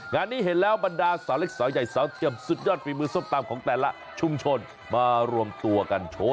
งานนี้เห็นแล้วบรรดาสาวเล็กสาวใหญ่สาวเทียมสุดยอดฝีมือส้มตำของแต่ละชุมชนมารวมตัวกันโชว์